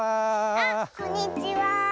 あっこんにちは。